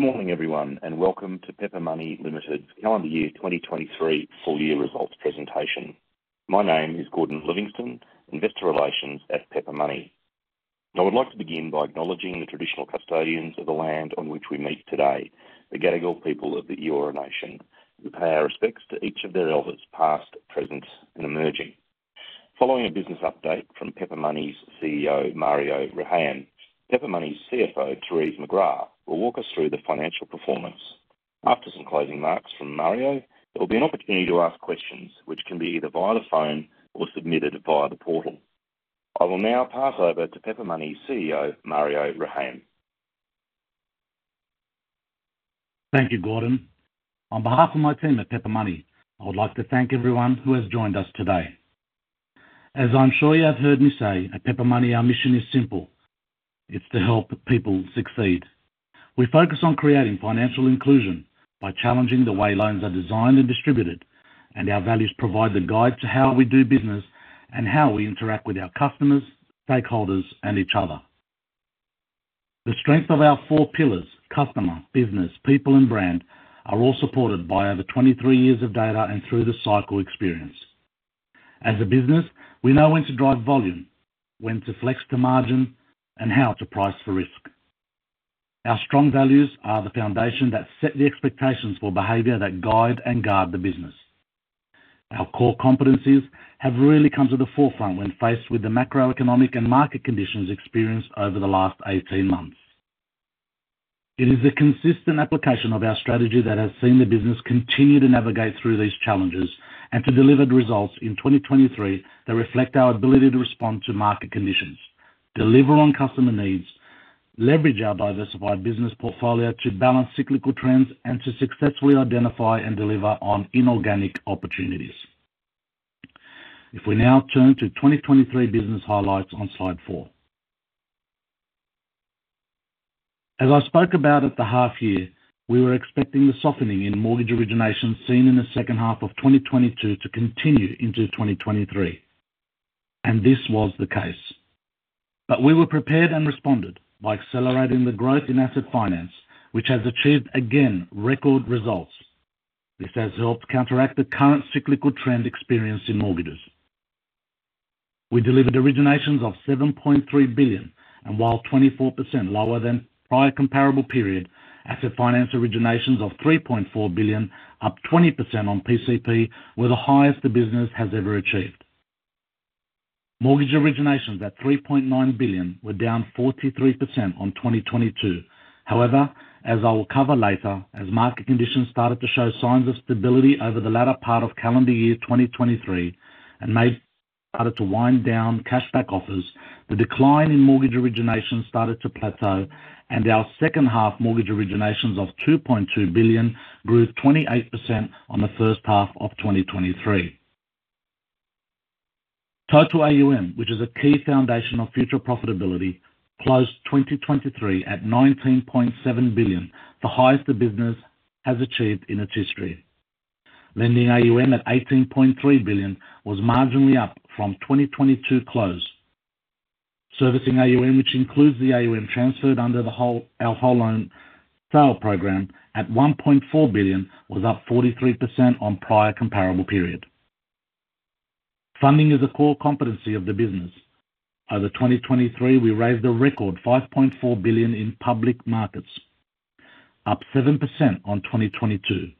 Good morning, everyone, and welcome to Pepper Money Limited's calendar year 2023 full year results presentation. My name is Gordon Livingston, Investor Relations at Pepper Money. I would like to begin by acknowledging the traditional custodians of the land on which we meet today, the Gadigal people of the Eora Nation, who pay our respects to each of their elders past, present, and emerging. Following a business update from Pepper Money's CEO, Mario Rehayem, Pepper Money's CFO, Therese McGrath, will walk us through the financial performance. After some closing remarks from Mario, there will be an opportunity to ask questions, which can be either via the phone or submitted via the portal. I will now pass over to Pepper Money's CEO, Mario Rehayem. Thank you, Gordon. On behalf of my team at Pepper Money, I would like to thank everyone who has joined us today. As I'm sure you have heard me say at Pepper Money, our mission is simple. It's to help people succeed. We focus on creating financial inclusion by challenging the way loans are designed and distributed, and our values provide the guide to how we do business and how we interact with our customers, stakeholders, and each other. The strength of our four pillars, customer, business, people, and brand, are all supported by over 23 years of data and through the cycle experience. As a business, we know when to drive volume, when to flex to margin, and how to price for risk. Our strong values are the foundation that set the expectations for behavior that guide and guard the business. Our core competencies have really come to the forefront when faced with the macroeconomic and market conditions experienced over the last 18 months. It is the consistent application of our strategy that has seen the business continue to navigate through these challenges and to deliver results in 2023 that reflect our ability to respond to market conditions, deliver on customer needs, leverage our diversified business portfolio to balance cyclical trends, and to successfully identify and deliver on inorganic opportunities. If we now turn to 2023 business highlights on slide four. As I spoke about at the half year, we were expecting the softening in mortgage origination seen in the second half of 2022 to continue into 2023, and this was the case. But we were prepared and responded by accelerating the growth in asset finance, which has achieved, again, record results. This has helped counteract the current cyclical trend experienced in mortgages. We delivered originations of 7.3 billion, and while 24% lower than prior comparable period, asset finance originations of 3.4 billion, up 20% on PCP, were the highest the business has ever achieved. Mortgage originations at 3.9 billion were down 43% on 2022. However, as I will cover later, as market conditions started to show signs of stability over the latter part of calendar year 2023 and started to wind down cashback offers, the decline in mortgage origination started to plateau, and our second half mortgage originations of 2.2 billion grew 28% on the first half of 2023. Total AUM, which is a key foundation of future profitability, closed 2023 at 19.7 billion, the highest the business has achieved in its history. Lending AUM at 18.3 billion was marginally up from 2022 close. Servicing AUM, which includes the AUM transferred under our whole loan sale program at 1.4 billion, was up 43% on prior comparable period. Funding is a core competency of the business. Over 2023, we raised a record 5.4 billion in public markets, up 7% on 2022.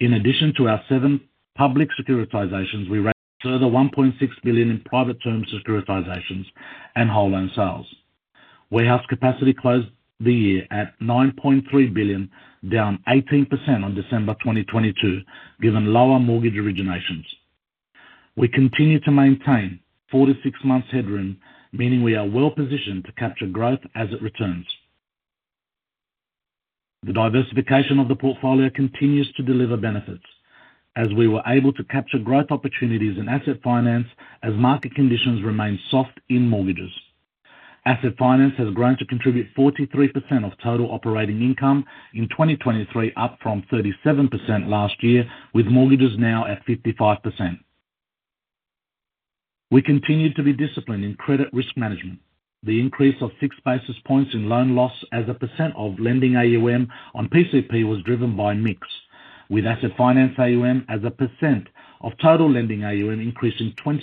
In addition to our seven public securitisations, we raised further 1.6 billion in private terms securitisations and whole loan sales. Warehouse capacity closed the year at 9.3 billion, down 18% on December 2022, given lower mortgage originations. We continue to maintain four to six months headroom, meaning we are well positioned to capture growth as it returns. The diversification of the portfolio continues to deliver benefits, as we were able to capture growth opportunities in asset finance as market conditions remain soft in mortgages. Asset finance has grown to contribute 43% of total operating income in 2023, up from 37% last year, with mortgages now at 55%. We continue to be disciplined in credit risk management. The increase of 6 basis points in loan loss as a percent of lending AUM on PCP was driven by mix, with asset finance AUM as a percent of total lending AUM increasing 26%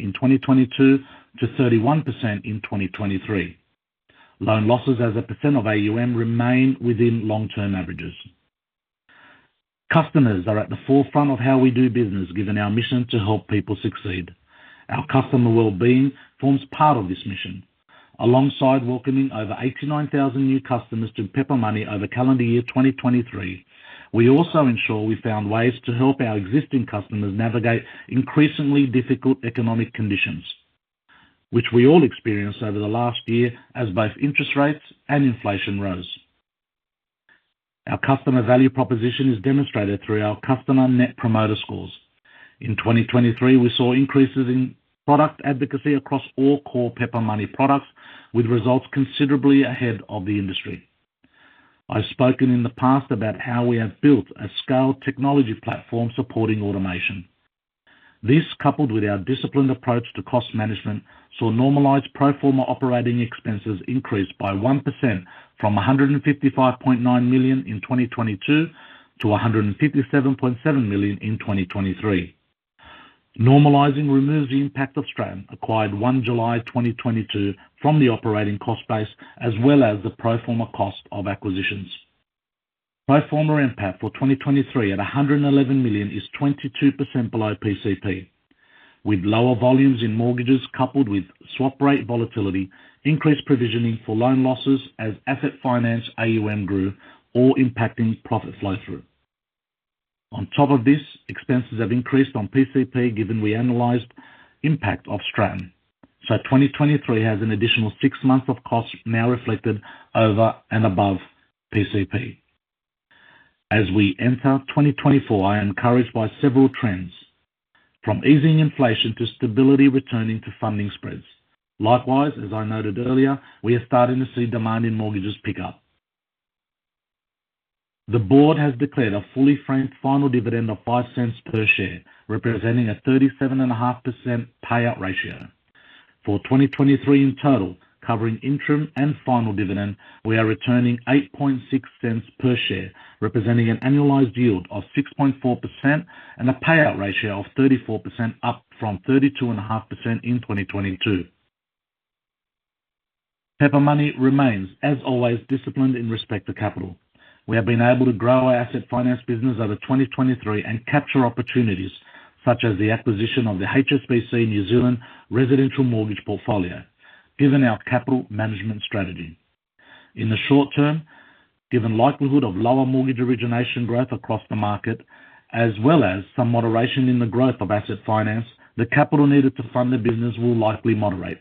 in 2022 to 31% in 2023. Loan losses as a percent of AUM remain within long-term averages. Customers are at the forefront of how we do business, given our mission to help people succeed. Our customer well-being forms part of this mission. Alongside welcoming over 89,000 new customers to Pepper Money over calendar year 2023, we also ensure we found ways to help our existing customers navigate increasingly difficult economic conditions, which we all experienced over the last year as both interest rates and inflation rose. Our customer value proposition is demonstrated through our customer net promoter scores. In 2023, we saw increases in product advocacy across all core Pepper Money products, with results considerably ahead of the industry. I've spoken in the past about how we have built a scaled technology platform supporting automation. This, coupled with our disciplined approach to cost management, saw normalized pro forma operating expenses increase by 1% from 155.9 million in 2022 to 157.7 million in 2023. Normalizing removes the impact of Stratton acquired July 1, 2022 from the operating cost base, as well as the pro forma cost of acquisitions. Pro forma impact for 2023 at 111 million is 22% below PCP, with lower volumes in mortgages coupled with swap rate volatility, increased provisioning for loan losses as asset finance AUM grew, all impacting profit flow through. On top of this, expenses have increased on PCP, given we annualized the impact of Stratton. So 2023 has an additional six months of costs now reflected over and above PCP. As we enter 2024, I am encouraged by several trends, from easing inflation to stability returning to funding spreads. Likewise, as I noted earlier, we are starting to see demand in mortgages pick up. The board has declared a fully franked final dividend of 0.05 per share, representing a 37.5% payout ratio. For 2023 in total, covering interim and final dividend, we are returning 0.086 per share, representing an annualized yield of 6.4% and a payout ratio of 34%, up from 32.5% in 2022. Pepper Money remains, as always, disciplined in respect to capital. We have been able to grow our asset finance business over 2023 and capture opportunities such as the acquisition of the HSBC New Zealand residential mortgage portfolio, given our capital management strategy. In the short term, given the likelihood of lower mortgage origination growth across the market, as well as some moderation in the growth of asset finance, the capital needed to fund the business will likely moderate.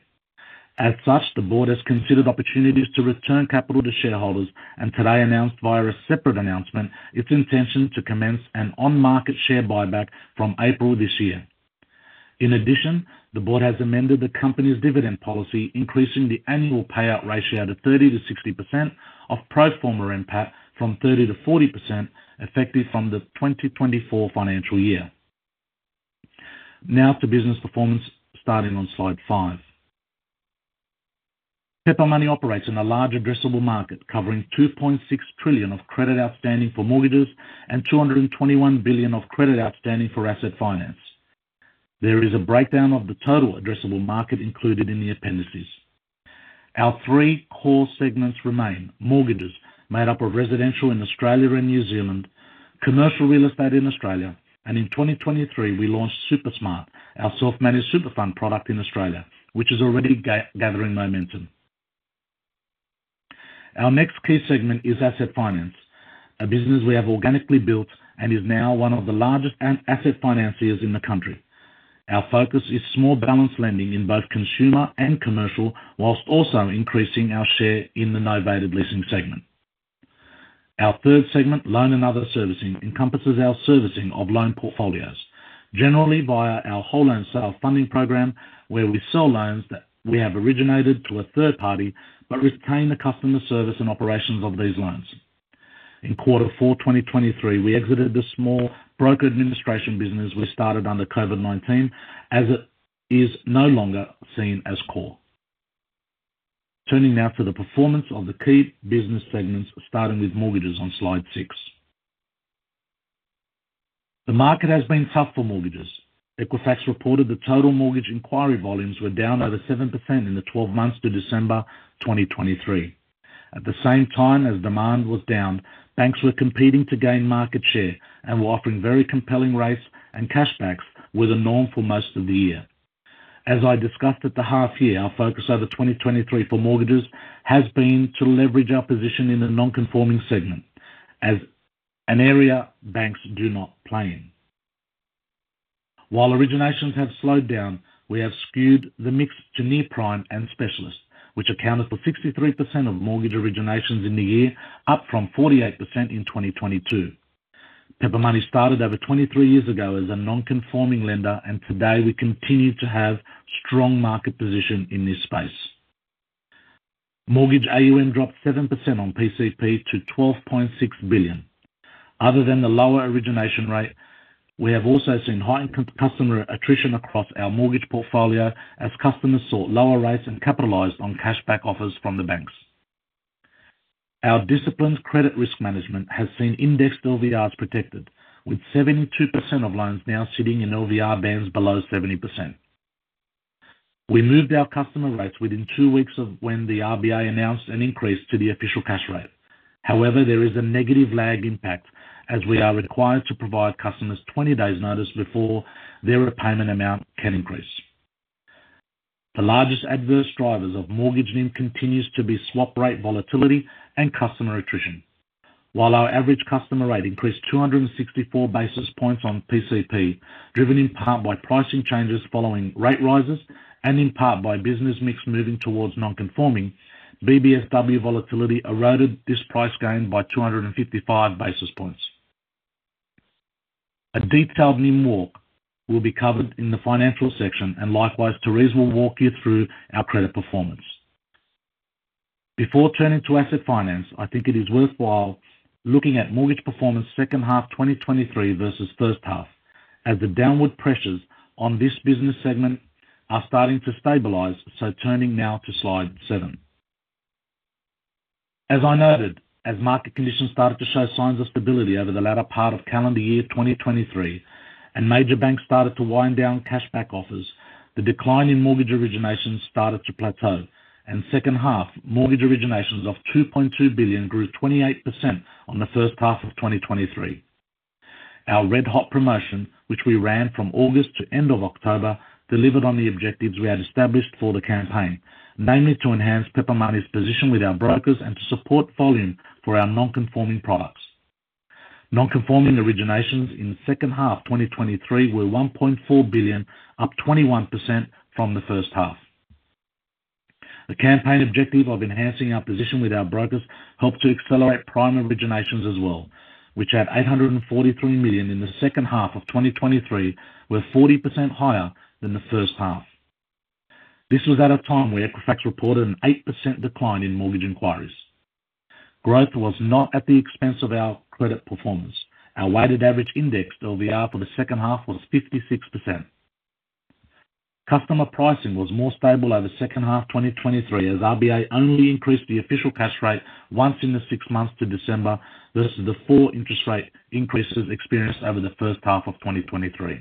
As such, the board has considered opportunities to return capital to shareholders and today announced via a separate announcement its intention to commence an on-market share buyback from April this year. In addition, the board has amended the company's dividend policy, increasing the annual payout ratio to 30%-60% of pro forma impact from 30%-40%, effective from the 2024 financial year. Now to business performance, starting on slide five. Pepper Money operates in a large addressable market, covering 2.6 trillion of credit outstanding for mortgages and 221 billion of credit outstanding for asset finance. There is a breakdown of the total addressable market included in the appendices. Our three core segments remain mortgages, made up of residential in Australia and New Zealand, commercial real estate in Australia, and in 2023, we launched Super Smart, our self-managed super fund product in Australia, which is already gathering momentum. Our next key segment is asset finance, a business we have organically built and is now one of the largest asset financiers in the country. Our focus is small balance lending in both consumer and commercial, while also increasing our share in the novated leasing segment. Our third segment, loan and other servicing, encompasses our servicing of loan portfolios, generally via our whole loan sale funding program, where we sell loans that we have originated to a third party but retain the customer service and operations of these loans. In quarter four, 2023, we exited the small broker administration business we started under COVID-19, as it is no longer seen as core. Turning now to the performance of the key business segments, starting with mortgages on slide six. The market has been tough for mortgages. Equifax reported the total mortgage inquiry volumes were down over 7% in the 12 months to December 2023. At the same time as demand was down, banks were competing to gain market share and were offering very compelling rates and cashbacks, which were the norm for most of the year. As I discussed at the half year, our focus over 2023 for mortgages has been to leverage our position in the non-conforming segment as an area banks do not play in. While originations have slowed down, we have skewed the mix to near prime and specialist, which accounted for 63% of mortgage originations in the year, up from 48% in 2022. Pepper Money started over 23 years ago as a non-conforming lender, and today we continue to have a strong market position in this space. Mortgage AUM dropped 7% on PCP to 12.6 billion. Other than the lower origination rate, we have also seen heightened customer attrition across our mortgage portfolio as customers sought lower rates and capitalized on cashback offers from the banks. Our disciplined credit risk management has seen indexed LVRs protected, with 72% of loans now sitting in LVR bands below 70%. We moved our customer rates within two weeks of when the RBA announced an increase to the official cash rate. However, there is a negative lag impact as we are required to provide customers 20 days' notice before their repayment amount can increase. The largest adverse drivers of mortgage lending continue to be swap rate volatility and customer attrition. While our average customer rate increased 264 basis points on PCP, driven in part by pricing changes following rate rises and in part by business mix moving towards non-conforming, BBSW volatility eroded this price gain by 255 basis points. A detailed NIM walk will be covered in the financial section, and likewise, Therese will walk you through our credit performance. Before turning to asset finance, I think it is worthwhile looking at mortgage performance second half 2023 versus first half, as the downward pressures on this business segment are starting to stabilize, so turning now to slide seven. As I noted, as market conditions started to show signs of stability over the latter part of calendar year 2023 and major banks started to wind down cashback offers, the decline in mortgage originations started to plateau, and second half mortgage originations of 2.2 billion grew 28% on the first half of 2023. Our Red Hot promotion, which we ran from August to end of October, delivered on the objectives we had established for the campaign, namely to enhance Pepper Money's position with our brokers and to support volume for our non-conforming products. Non-conforming originations in second half 2023 were 1.4 billion, up 21% from the first half. The campaign objective of enhancing our position with our brokers helped to accelerate prime originations as well, which had 843 million in the second half of 2023, were 40% higher than the first half. This was at a time where Equifax reported an 8% decline in mortgage inquiries. Growth was not at the expense of our credit performance. Our weighted average indexed LVR for the second half was 56%. Customer pricing was more stable over second half 2023 as RBA only increased the official cash rate once in the six months to December versus the four interest rate increases experienced over the first half of 2023.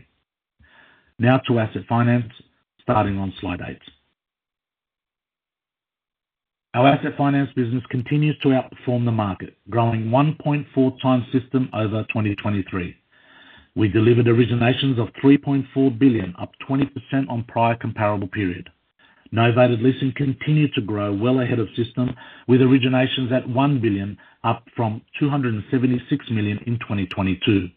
Now to asset finance, starting on slide 8. Our asset finance business continues to outperform the market, growing 1.4x system over 2023. We delivered originations of 3.4 billion, up 20% on prior comparable period. Novated leasing continued to grow well ahead of system, with originations at 1 billion, up from 276 million in 2022.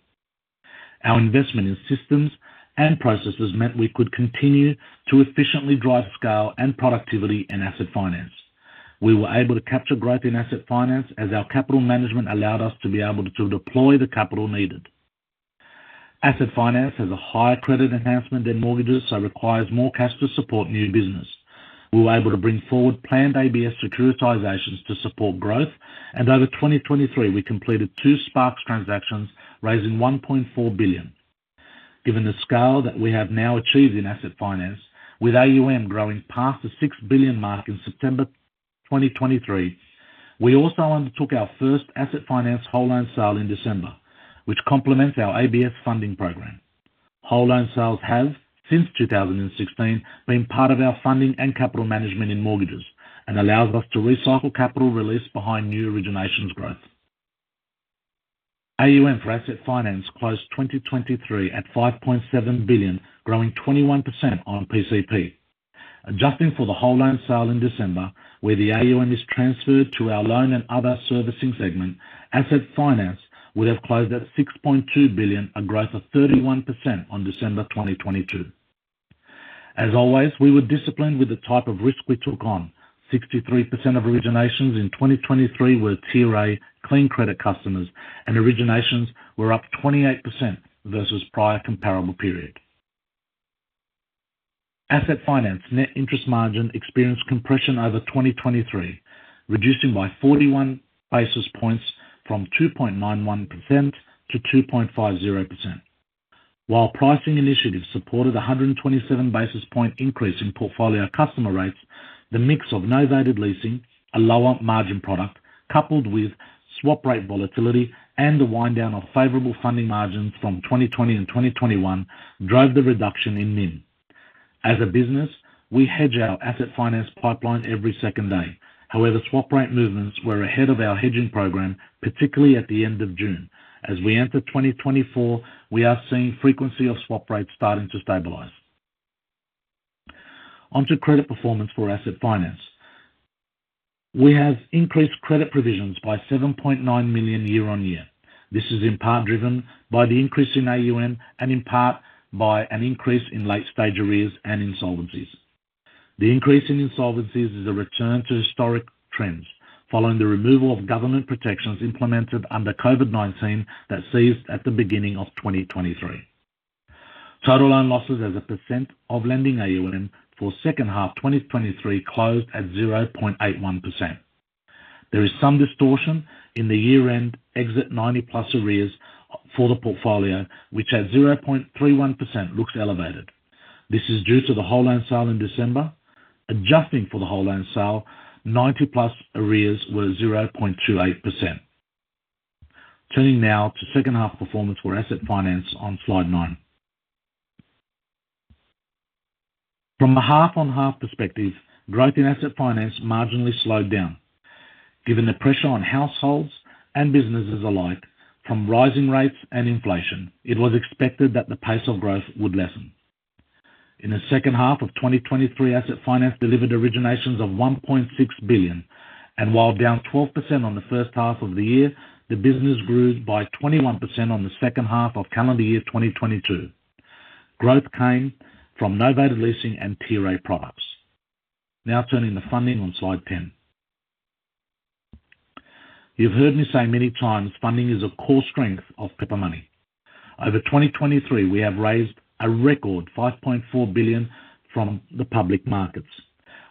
Our investment in systems and processes meant we could continue to efficiently drive scale and productivity in asset finance. We were able to capture growth in asset finance as our capital management allowed us to be able to deploy the capital needed. Asset finance has a higher credit enhancement than mortgages, so it requires more cash to support new business. We were able to bring forward planned ABS securitizations to support growth, and over 2023, we completed two SPARKZ transactions raising 1.4 billion. Given the scale that we have now achieved in asset finance, with AUM growing past the 6 billion mark in September 2023, we also undertook our first asset finance whole loan sale in December, which complements our ABS funding program. Whole loan sales have, since 2016, been part of our funding and capital management in mortgages and allows us to recycle capital release behind new originations growth. AUM for asset finance closed 2023 at 5.7 billion, growing 21% on PCP. Adjusting for the whole loan sale in December, where the AUM is transferred to our loan and other servicing segment, asset finance would have closed at 6.2 billion, a growth of 31% on December 2022. As always, we were disciplined with the type of risk we took on. 63% of originations in 2023 were Tier A clean credit customers, and originations were up 28% versus prior comparable period. Asset finance net interest margin experienced compression over 2023, reducing by 41 basis points from 2.91% to 2.50%. While pricing initiatives supported a 127 basis point increase in portfolio customer rates, the mix of novated leasing, a lower margin product, coupled with swap rate volatility and the winddown of favorable funding margins from 2020 and 2021, drove the reduction in NIM. As a business, we hedge our asset finance pipeline every second day. However, swap rate movements were ahead of our hedging program, particularly at the end of June. As we enter 2024, we are seeing the frequency of swap rates starting to stabilise. Onto credit performance for asset finance. We have increased credit provisions by 7.9 million year-on-year. This is in part driven by the increase in AUM and in part by an increase in late stage arrears and insolvencies. The increase in insolvencies is a return to historic trends following the removal of government protections implemented under COVID-19 that ceased at the beginning of 2023. Total loan losses as a % of lending AUM for second half 2023 closed at 0.81%. There is some distortion in the year-end exit 90+ arrears for the portfolio, which at 0.31% looks elevated. This is due to the whole loan sale in December. Adjusting for the whole loan sale, 90+ arrears were 0.28%. Turning now to second half performance for asset finance on slide nine. From a half-on-half perspective, growth in asset finance marginally slowed down. Given the pressure on households and businesses alike from rising rates and inflation, it was expected that the pace of growth would lessen. In the second half of 2023, asset finance delivered originations of 1.6 billion, and while down 12% on the first half of the year, the business grew by 21% on the second half of calendar year 2022. Growth came from novated leasing and Tier A products. Now turning to funding on slide 10. You've heard me say many times funding is a core strength of Pepper Money. Over 2023, we have raised a record 5.4 billion from the public markets.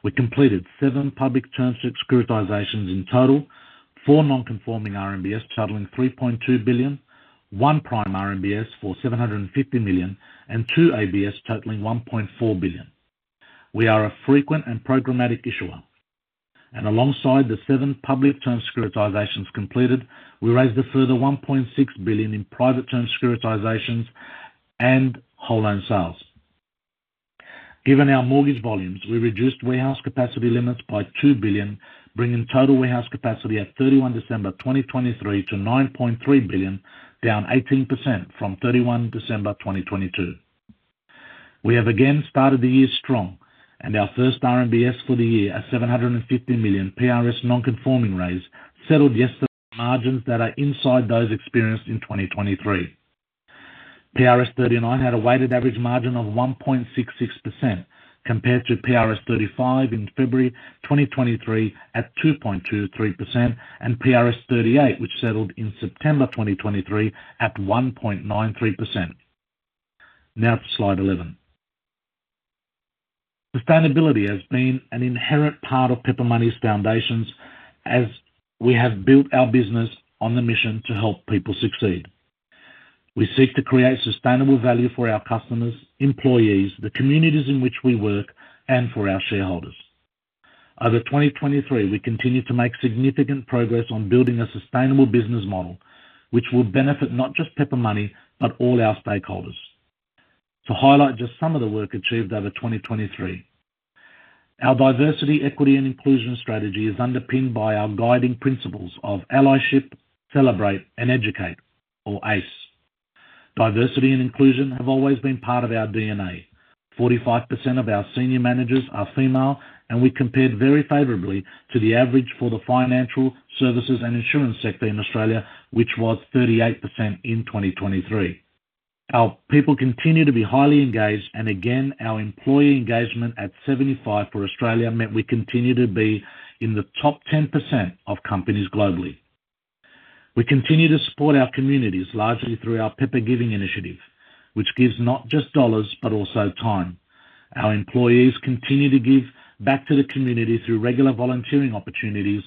We completed seven public terms of securitizations in total, four non-conforming RMBS totaling 3.2 billion, one prime RMBS for 750 million, and two ABS totaling 1.4 billion. We are a frequent and programmatic issuer. And alongside the seven public terms of securitizations completed, we raised a further 1.6 billion in private terms of securitizations and whole loan sales. Given our mortgage volumes, we reduced warehouse capacity limits by 2 billion, bringing total warehouse capacity at December 31, 2023 to 9.3 billion, down 18% from December 31, 2022. We have again started the year strong, and our first RMBS for the year at 750 million PRS non-conforming raise settled yesterday, margins that are inside those experienced in 2023. PRS 39 had a weighted average margin of 1.66% compared to PRS 35 in February 2023 at 2.23% and PRS 38, which settled in September 2023 at 1.93%. Now to slide 11. Sustainability has been an inherent part of Pepper Money's foundations as we have built our business on the mission to help people succeed. We seek to create sustainable value for our customers, employees, the communities in which we work, and for our shareholders. Over 2023, we continue to make significant progress on building a sustainable business model, which will benefit not just Pepper Money but all our stakeholders. To highlight just some of the work achieved over 2023: Our diversity, equity, and inclusion strategy is underpinned by our guiding principles of allyship, celebrate, and educate, or ACE. Diversity and inclusion have always been part of our DNA. 45% of our senior managers are female, and we compared very favorably to the average for the financial, services, and insurance sector in Australia, which was 38% in 2023. Our people continue to be highly engaged, and again, our employee engagement at 75% for Australia meant we continue to be in the top 10% of companies globally. We continue to support our communities largely through our Pepper Giving initiative, which gives not just dollars but also time. Our employees continue to give back to the community through regular volunteering opportunities.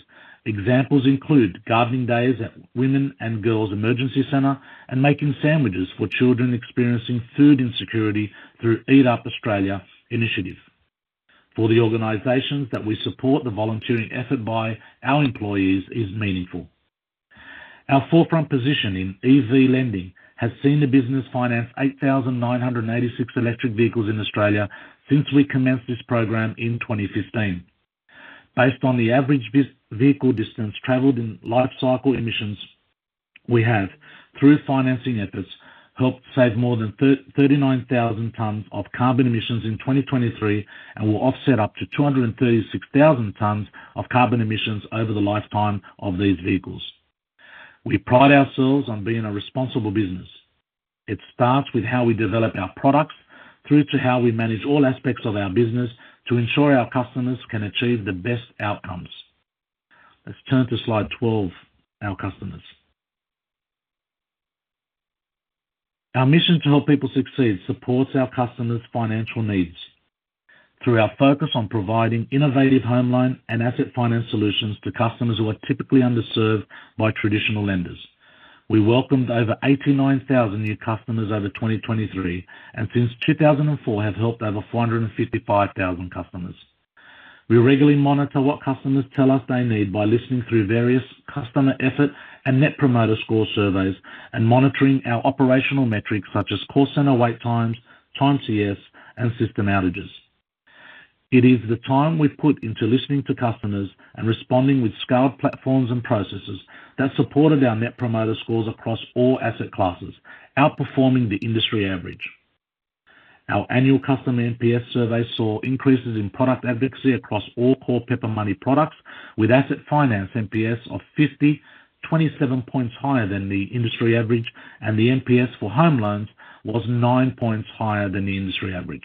Examples include gardening days at Women and Girls Emergency Centre and making sandwiches for children experiencing food insecurity through Eat Up Australia initiative. For the organisations that we support, the volunteering effort by our employees is meaningful. Our forefront position in EV lending has seen the business finance 8,986 electric vehicles in Australia since we commenced this program in 2015. Based on the average vehicle distance traveled in life cycle emissions we have through financing efforts, we helped save more than 39,000 tons of carbon emissions in 2023 and will offset up to 236,000 tons of carbon emissions over the lifetime of these vehicles. We pride ourselves on being a responsible business. It starts with how we develop our products through to how we manage all aspects of our business to ensure our customers can achieve the best outcomes. Let's turn to slide 12, our customers. Our mission to help people succeed supports our customers' financial needs through our focus on providing innovative home loan and asset finance solutions to customers who are typically underserved by traditional lenders. We welcomed over 89,000 new customers over 2023 and since 2004 have helped over 455,000 customers. We regularly monitor what customers tell us they need by listening through various customer effort and net promoter score surveys and monitoring our operational metrics such as call center wait times, time to yes, and system outages. It is the time we put into listening to customers and responding with scaled platforms and processes that supported our net promoter scores across all asset classes, outperforming the industry average. Our annual customer NPS survey saw increases in product advocacy across all core Pepper Money products, with asset finance NPS of 50, 27 points higher than the industry average, and the NPS for home loans was nine points higher than the industry average.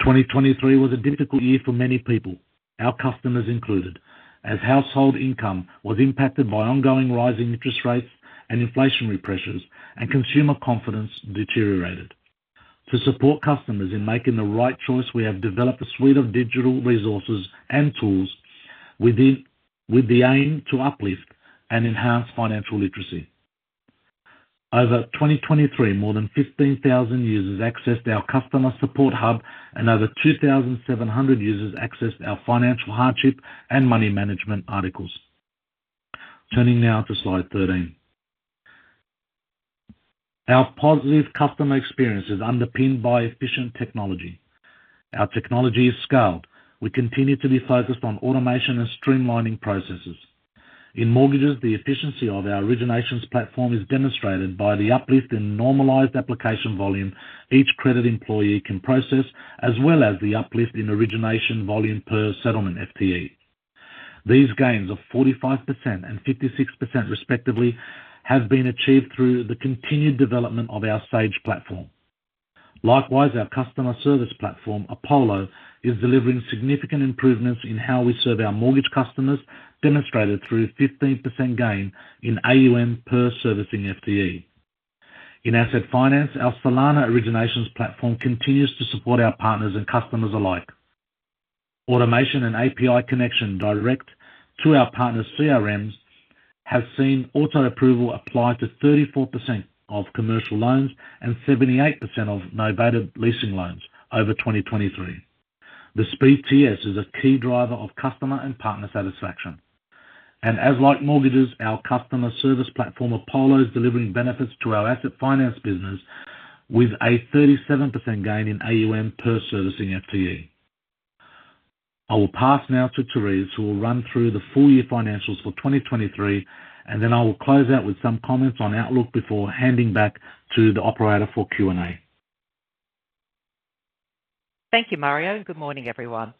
2023 was a difficult year for many people, our customers included, as household income was impacted by ongoing rising interest rates and inflationary pressures, and consumer confidence deteriorated. To support customers in making the right choice, we have developed a suite of digital resources and tools with the aim to uplift and enhance financial literacy. Over 2023, more than 15,000 users accessed our customer support hub, and over 2,700 users accessed our financial hardship and money management articles. Turning now to slide 13. Our positive customer experience is underpinned by efficient technology. Our technology is scaled. We continue to be focused on automation and streamlining processes. In mortgages, the efficiency of our originations platform is demonstrated by the uplift in normalized application volume each credit employee can process, as well as the uplift in origination volume per settlement FTE. These gains of 45% and 56% respectively have been achieved through the continued development of our Sage platform. Likewise, our customer service platform, Apollo, is delivering significant improvements in how we serve our mortgage customers, demonstrated through a 15% gain in AUM per servicing FTE. In asset finance, our Solana originations platform continues to support our partners and customers alike. Automation and API connection direct to our partners' CRMs have seen auto-approval apply to 34% of commercial loans and 78% of novated leasing loans over 2023. The speed to yes is a key driver of customer and partner satisfaction. And as like mortgages, our customer service platform, Apollo, is delivering benefits to our asset finance business with a 37% gain in AUM per servicing FTE. I will pass now to Therese, who will run through the full year financials for 2023, and then I will close out with some comments on outlook before handing back to the operator for Q&A. Thank you, Mario. Good morning, everyone.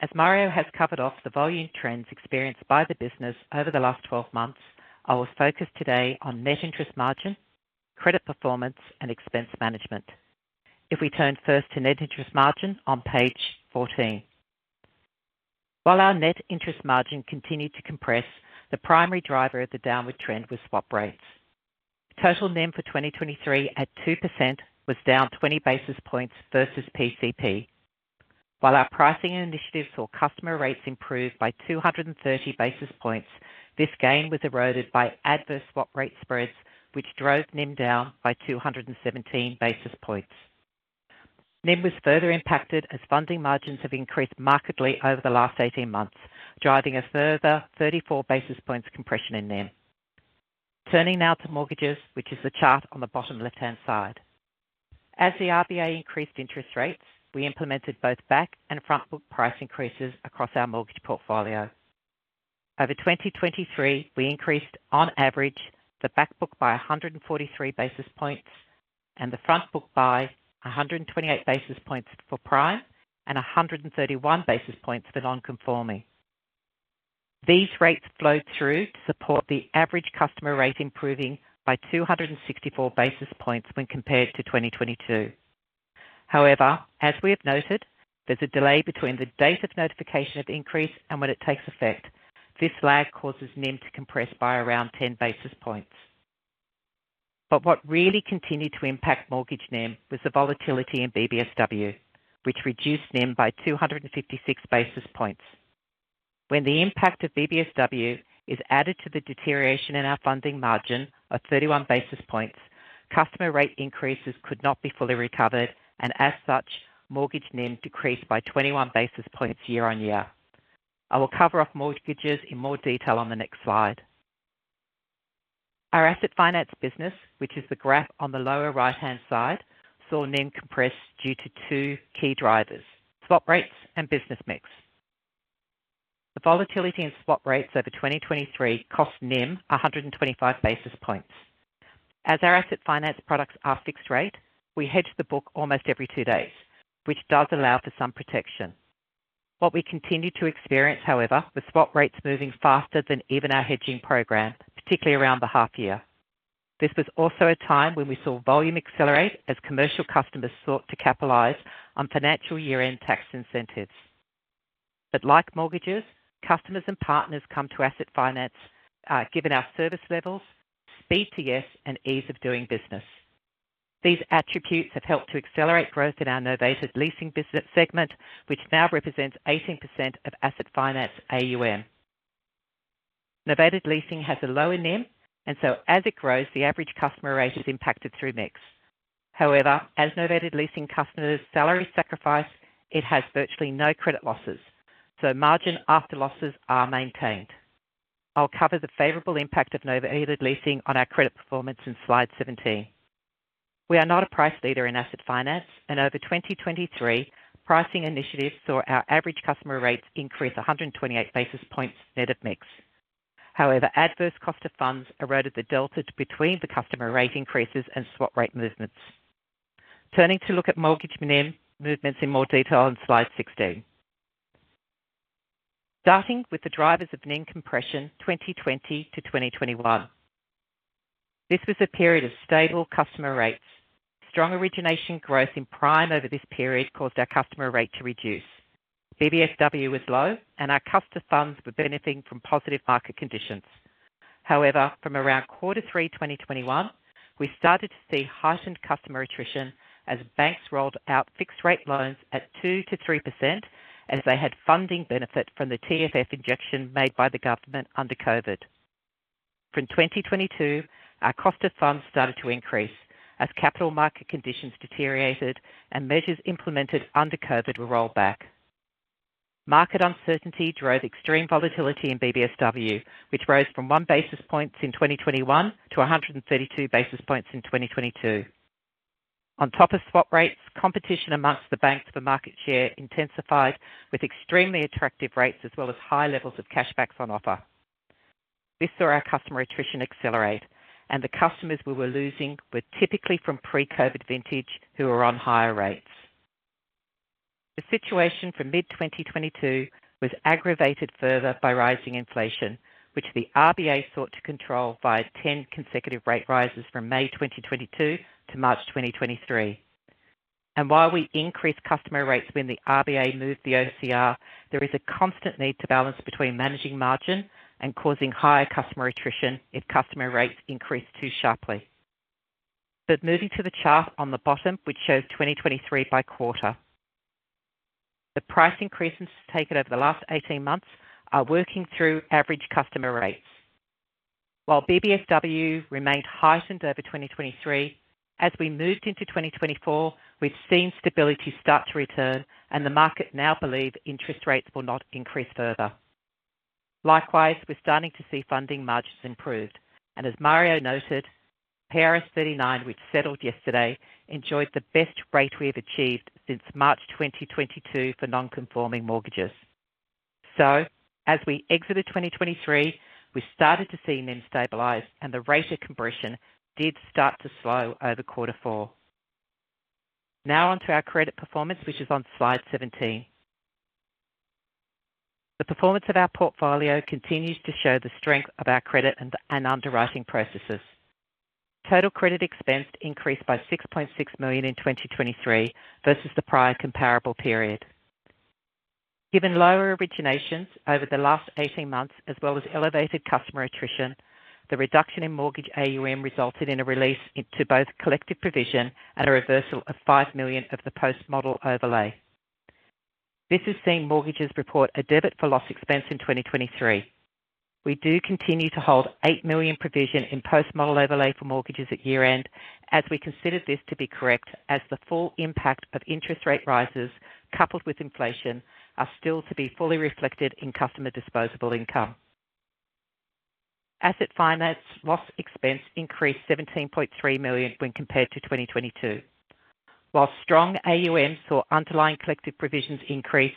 As Mario has covered off the volume trends experienced by the business over the last 12 months, I will focus today on net interest margin, credit performance, and expense management. If we turn first to net interest margin on page 14. While our net interest margin continued to compress, the primary driver of the downward trend was swap rates. Total NIM for 2023 at 2% was down 20 basis points versus PCP. While our pricing initiatives saw customer rates improve by 230 basis points, this gain was eroded by adverse swap rate spreads, which drove NIM down by 217 basis points. NIM was further impacted as funding margins have increased markedly over the last 18 months, driving a further 34 basis points compression in NIM. Turning now to mortgages, which is the chart on the bottom left-hand side. As the RBA increased interest rates, we implemented both back and front book price increases across our mortgage portfolio. Over 2023, we increased on average the back book by 143 basis points and the front book by 128 basis points for prime and 131 basis points for non-conforming. These rates flowed through to support the average customer rate improving by 264 basis points when compared to 2022. However, as we have noted, there's a delay between the date of notification of increase and when it takes effect. This lag causes NIM to compress by around 10 basis points. But what really continued to impact mortgage NIM was the volatility in BBSW, which reduced NIM by 256 basis points. When the impact of BBSW is added to the deterioration in our funding margin of 31 basis points, customer rate increases could not be fully recovered, and as such, mortgage NIM decreased by 21 basis points year-on-year. I will cover off mortgages in more detail on the next slide. Our asset finance business, which is the graph on the lower right-hand side, saw NIM compressed due to two key drivers: swap rates and business mix. The volatility in swap rates over 2023 cost NIM 125 basis points. As our asset finance products are fixed rate, we hedge the book almost every two days, which does allow for some protection. What we continue to experience, however, was swap rates moving faster than even our hedging program, particularly around the half year. This was also a time when we saw volume accelerate as commercial customers sought to capitalize on financial year-end tax incentives. But like mortgages, customers and partners come to asset finance given our service levels, speed TS, and ease of doing business. These attributes have helped to accelerate growth in our novated leasing segment, which now represents 18% of asset finance AUM. Novated leasing has a lower NIM, and so as it grows, the average customer rate is impacted through mix. However, as novated leasing customers' salaries sacrifice, it has virtually no credit losses, so margin after losses are maintained. I'll cover the favorable impact of novated leasing on our credit performance in slide 17. We are not a price leader in asset finance, and over 2023, pricing initiatives saw our average customer rates increase 128 basis points net of mix. However, adverse cost of funds eroded the delta between the customer rate increases and swap rate movements. Turning to look at mortgage NIM movements in more detail on slide 16. Starting with the drivers of NIM compression 2020 to 2021. This was a period of stable customer rates. Strong origination growth in prime over this period caused our customer rate to reduce. BBSW was low, and our customer funds were benefiting from positive market conditions. However, from around quarter 3 2021, we started to see heightened customer attrition as banks rolled out fixed rate loans at 2%-3% as they had funding benefit from the TFF injection made by the government under COVID. From 2022, our cost of funds started to increase as capital market conditions deteriorated and measures implemented under COVID were rolled back. Market uncertainty drove extreme volatility in BBSW, which rose from 1 basis points in 2021 to 132 basis points in 2022. On top of swap rates, competition amongst the banks for market share intensified with extremely attractive rates as well as high levels of cashbacks on offer. This saw our customer attrition accelerate, and the customers we were losing were typically from pre-COVID vintage who were on higher rates. The situation from mid-2022 was aggravated further by rising inflation, which the RBA sought to control via 10 consecutive rate rises from May 2022 to March 2023. While we increase customer rates when the RBA moved the OCR, there is a constant need to balance between managing margin and causing higher customer attrition if customer rates increase too sharply. But moving to the chart on the bottom, which shows 2023 by quarter. The price increases taken over the last 18 months are working through average customer rates. While BBSW remained heightened over 2023, as we moved into 2024, we've seen stability start to return, and the market now believe interest rates will not increase further. Likewise, we're starting to see funding margins improved. And as Mario noted, PRS39, which settled yesterday, enjoyed the best rate we have achieved since March 2022 for non-conforming mortgages. So as we exited 2023, we started to see NIM stabilize, and the rate of compression did start to slow over quarter four. Now onto our credit performance, which is on slide 17. The performance of our portfolio continues to show the strength of our credit and underwriting processes. Total credit expense increased by 6.6 million in 2023 versus the prior comparable period. Given lower originations over the last 18 months, as well as elevated customer attrition, the reduction in mortgage AUM resulted in a release to both collective provision and a reversal of 5 million of the post-model overlay. This has seen mortgages report a debit for loss expense in 2023. We do continue to hold 8 million provision in post-model overlay for mortgages at year-end, as we consider this to be correct, as the full impact of interest rate rises coupled with inflation are still to be fully reflected in customer disposable income. Asset finance loss expense increased 17.3 million when compared to 2022. While strong AUM saw underlying collective provisions increase,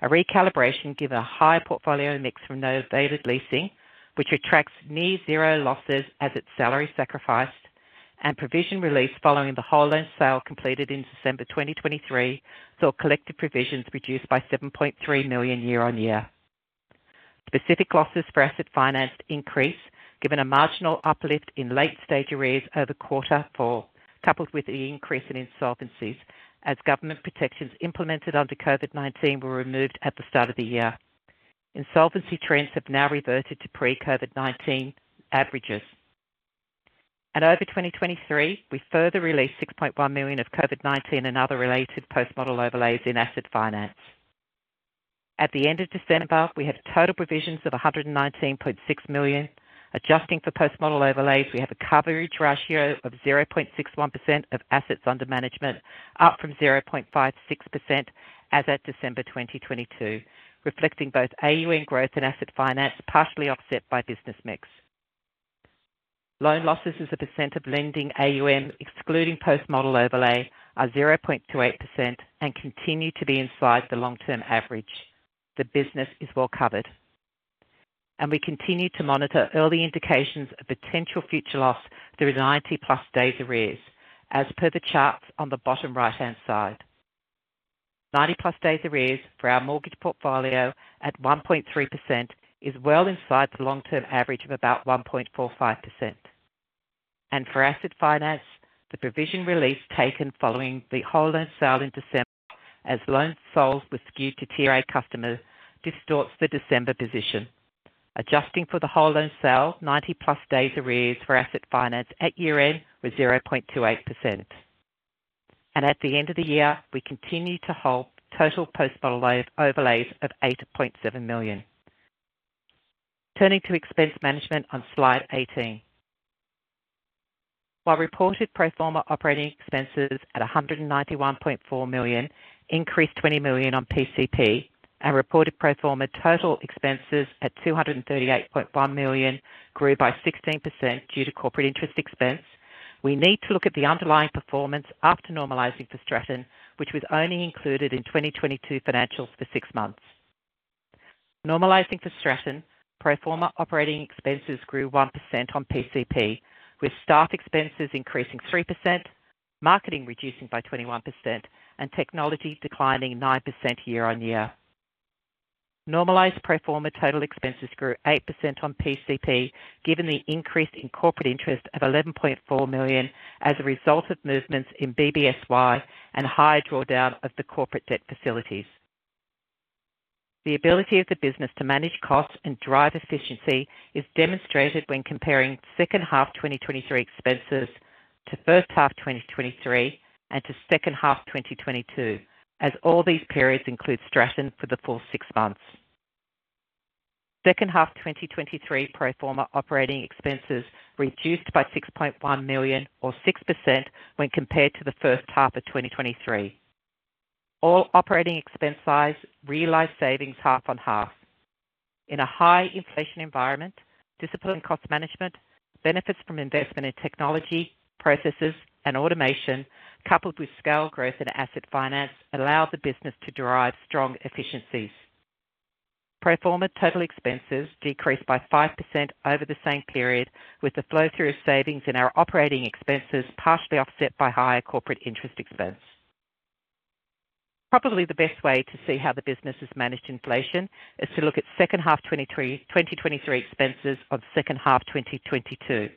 a recalibration given a higher portfolio mix from novated leasing, which attracts near-zero losses as it's salary sacrificed, and provision release following the whole loan sale completed in December 2023 saw collective provisions reduced by 7.3 million year-on-year. Specific losses for asset finance increase given a marginal uplift in late-stage arrears over quarter four, coupled with the increase in insolvencies as government protections implemented under COVID-19 were removed at the start of the year. Insolvency trends have now reverted to pre-COVID-19 averages. Over 2023, we further released 6.1 million of COVID-19 and other related post-model overlays in asset finance. At the end of December, we have total provisions of 119.6 million. Adjusting for post-model overlays, we have a coverage ratio of 0.61% of assets under management, up from 0.56% as at December 2022, reflecting both AUM growth and asset finance partially offset by business mix. Loan losses as a percent of lending AUM excluding post-model overlay are 0.28% and continue to be inside the long-term average. The business is well covered. We continue to monitor early indications of potential future loss through 90+ days arrears, as per the charts on the bottom right-hand side. 90+ days arrears for our mortgage portfolio at 1.3% is well inside the long-term average of about 1.45%. For asset finance, the provision release taken following the whole loan sale in December as loans sold were skewed to Tier A customer distorts the December position. Adjusting for the whole loan sale, 90+ days arrears for asset finance at year-end were 0.28%. At the end of the year, we continue to hold total post-model overlays of 8.7 million. Turning to expense management on slide 18. While reported pro forma operating expenses at 191.4 million increased 20 million on PCP, and reported pro forma total expenses at 238.1 million grew by 16% due to corporate interest expense, we need to look at the underlying performance after normalizing for Stratton, which was only included in 2022 financials for six months. Normalizing for Stratton, pro forma operating expenses grew 1% on PCP, with staff expenses increasing 3%, marketing reducing by 21%, and technology declining 9% year-on-year. Normalized pro forma total expenses grew 8% on PCP given the increase in corporate interest of 11.4 million as a result of movements in BBSY and higher drawdown of the corporate debt facilities. The ability of the business to manage costs and drive efficiency is demonstrated when comparing second half 2023 expenses to first half 2023 and to second half 2022, as all these periods include Stratton for the full six months. Second half 2023 pro forma operating expenses reduced by 6.1 million or 6% when compared to the first half of 2023. All operating expense sizes realize savings half on half. In a high inflation environment, disciplined cost management, benefits from investment in technology, processes, and automation, coupled with scale growth in asset finance, allow the business to derive strong efficiencies. Pro forma total expenses decreased by 5% over the same period, with the flow-through of savings in our operating expenses partially offset by higher corporate interest expense. Probably the best way to see how the business has managed inflation is to look at second half 2023 expenses on second half 2022.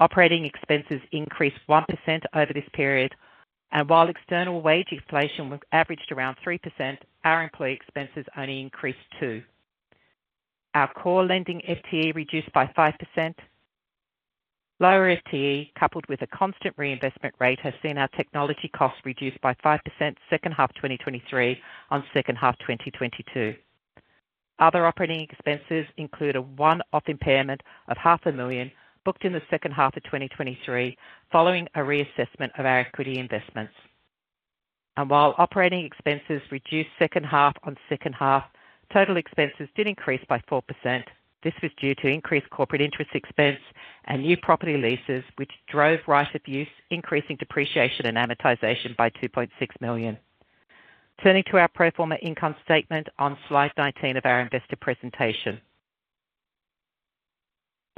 Operating expenses increased 1% over this period, and while external wage inflation averaged around 3%, our employee expenses only increased 2%. Our core lending FTE reduced by 5%. Lower FTE, coupled with a constant reinvestment rate, has seen our technology costs reduced by 5% second half 2023 on second half 2022. Other operating expenses include a one-off impairment of 0.5 million booked in the second half of 2023 following a reassessment of our equity investments. And while operating expenses reduced second half on second half, total expenses did increase by 4%. This was due to increased corporate interest expense and new property leases, which drove right-of-use increasing depreciation and amortisation by 2.6 million. Turning to our pro forma income statement on slide 19 of our investor presentation.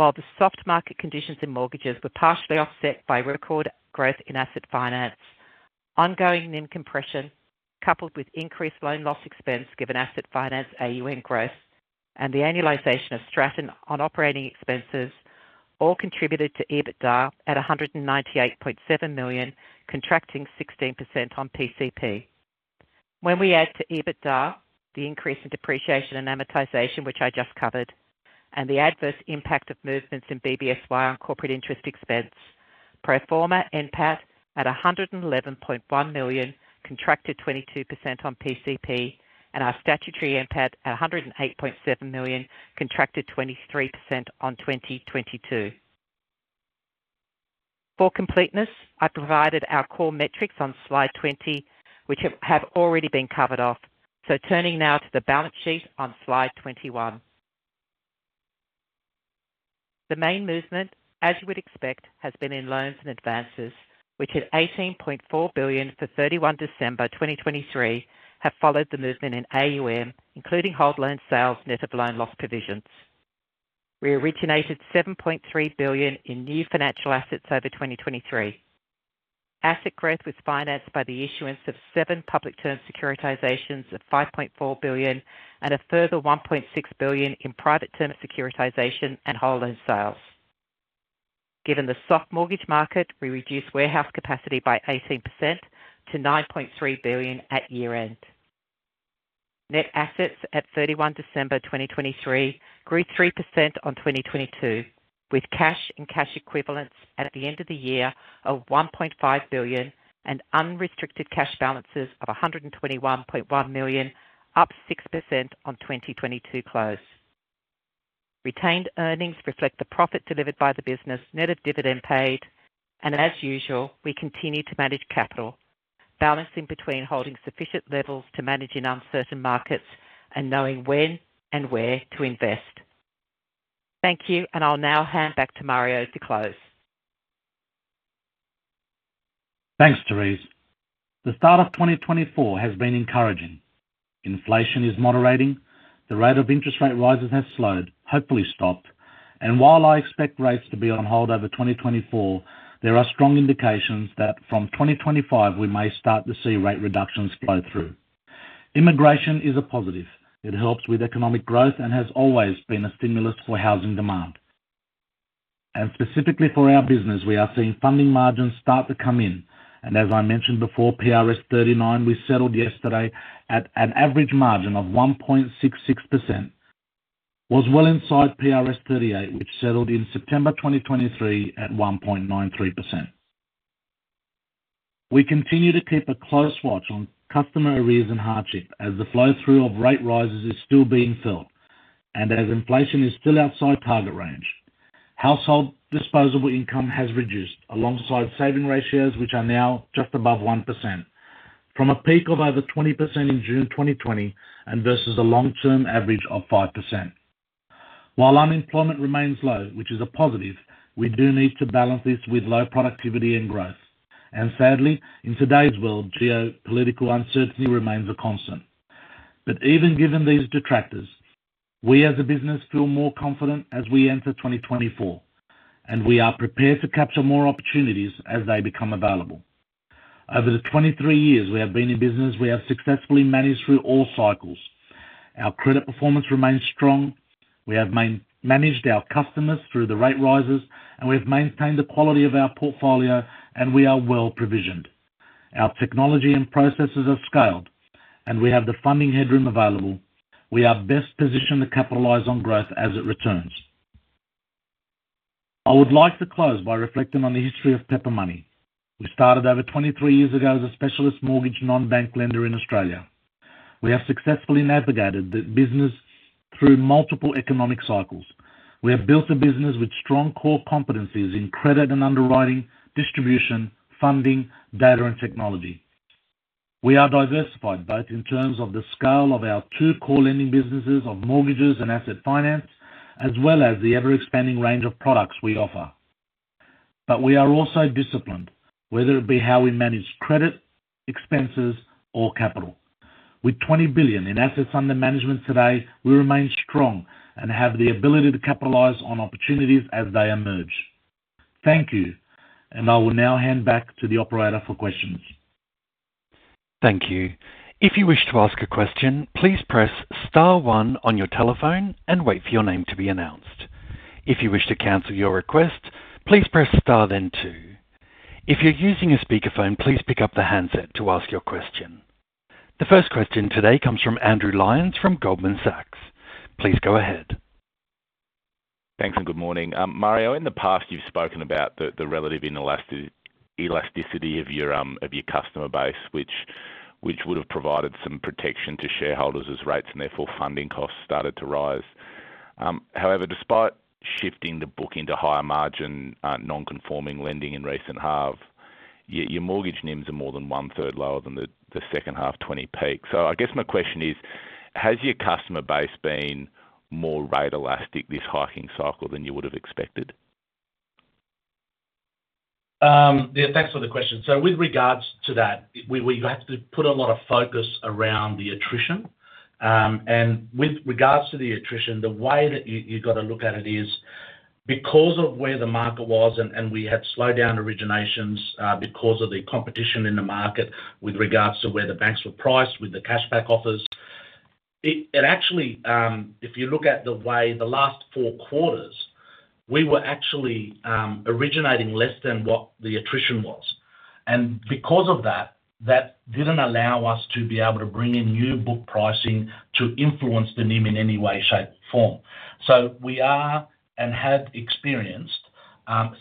While the soft market conditions in mortgages were partially offset by record growth in asset finance, ongoing NIM compression coupled with increased loan loss expense given asset finance AUM growth and the annualization of Stratton on operating expenses, all contributed to EBITDA at 198.7 million, contracting 16% on PCP. When we add to EBITDA the increase in depreciation and amortization, which I just covered, and the adverse impact of movements in BBSY on corporate interest expense, pro forma NPAT at 111.1 million contracted 22% on PCP, and our statutory NPAT at 108.7 million contracted 23% on 2022. For completeness, I provided our core metrics on slide 20, which have already been covered off. Turning now to the balance sheet on slide 21. The main movement, as you would expect, has been in loans and advances, which at 18.4 billion for 31 December 2023 have followed the movement in AUM, including whole loan sales net of loan loss provisions. We originated 7.3 billion in new financial assets over 2023. Asset growth was financed by the issuance of seven public term securitizations of 5.4 billion and a further 1.6 billion in private term securitization and whole loan sales. Given the soft mortgage market, we reduce warehouse capacity by 18% to 9.3 billion at year-end. Net assets at 31 December 2023 grew 3% on 2022, with cash and cash equivalents at the end of the year of 1.5 billion and unrestricted cash balances of 121.1 million, up 6% on 2022 close. Retained earnings reflect the profit delivered by the business, net of dividend paid, and as usual, we continue to manage capital, balancing between holding sufficient levels to manage in uncertain markets and knowing when and where to invest. Thank you, and I'll now hand back to Mario to close. Thanks, Therese. The start of 2024 has been encouraging. Inflation is moderating. The rate of interest rate rises has slowed, hopefully stopped. While I expect rates to be on hold over 2024, there are strong indications that from 2025 we may start to see rate reductions flow through. Immigration is a positive. It helps with economic growth and has always been a stimulus for housing demand. Specifically for our business, we are seeing funding margins start to come in. As I mentioned before, PRS39, we settled yesterday at an average margin of 1.66%, was well inside PRS38, which settled in September 2023 at 1.93%. We continue to keep a close watch on customer arrears and hardship as the flow-through of rate rises is still being filled and as inflation is still outside target range. Household disposable income has reduced alongside saving ratios, which are now just above 1%, from a peak of over 20% in June 2020 and versus a long-term average of 5%. While unemployment remains low, which is a positive, we do need to balance this with low productivity and growth. Sadly, in today's world, geopolitical uncertainty remains a constant. Even given these detractors, we as a business feel more confident as we enter 2024, and we are prepared to capture more opportunities as they become available. Over the 23 years we have been in business, we have successfully managed through all cycles. Our credit performance remains strong. We have managed our customers through the rate rises, and we have maintained the quality of our portfolio, and we are well provisioned. Our technology and processes are scaled, and we have the funding headroom available. We are best positioned to capitalize on growth as it returns. I would like to close by reflecting on the history of Pepper Money. We started over 23 years ago as a specialist mortgage non-bank lender in Australia. We have successfully navigated the business through multiple economic cycles. We have built a business with strong core competencies in credit and underwriting, distribution, funding, data, and technology. We are diversified both in terms of the scale of our two core lending businesses of mortgages and asset finance, as well as the ever-expanding range of products we offer. But we are also disciplined, whether it be how we manage credit, expenses, or capital. With 20 billion in assets under management today, we remain strong and have the ability to capitalize on opportunities as they emerge. Thank you, and I will now hand back to the operator for questions. Thank you. If you wish to ask a question, please press star one on your telephone and wait for your name to be announced. If you wish to cancel your request, please press star then two. If you're using a speakerphone, please pick up the handset to ask your question. The first question today comes from Andrew Lyons from Goldman Sachs. Please go ahead. Thanks and good morning. Mario, in the past, you've spoken about the relative elasticity of your customer base, which would have provided some protection to shareholders as rates and therefore funding costs started to rise. However, despite shifting the book into higher margin non-conforming lending in recent half, your mortgage NIMs are more than one-third lower than the second half 2020 peak. So I guess my question is, has your customer base been more rate elastic this hiking cycle than you would have expected? Yeah, thanks for the question. So with regards to that, we have to put a lot of focus around the attrition. With regards to the attrition, the way that you've got to look at it is because of where the market was and we had slowdown originations because of the competition in the market with regards to where the banks were priced with the cashback offers. It actually, if you look at the way the last four quarters, we were actually originating less than what the attrition was. Because of that, that didn't allow us to be able to bring in new book pricing to influence the NIM in any way, shape, form. We are and have experienced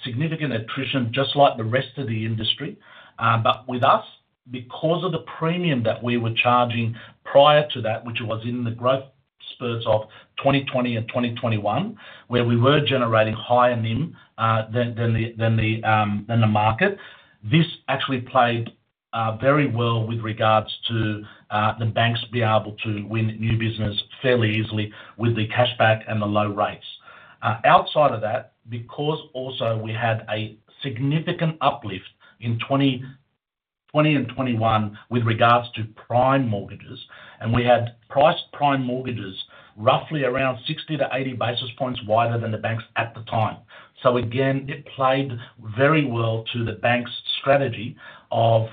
significant attrition just like the rest of the industry. But with us, because of the premium that we were charging prior to that, which was in the growth spurts of 2020 and 2021, where we were generating higher NIM than the market, this actually played very well with regards to the banks being able to win new business fairly easily with the cashback and the low rates. Outside of that, because also we had a significant uplift in 2020 and 2021 with regards to prime mortgages, and we had priced prime mortgages roughly around 60-80 basis points wider than the banks at the time. So again, it played very well to the bank's strategy of